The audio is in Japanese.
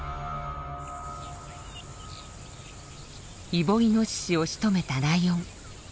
イボイノシシをしとめたライオン。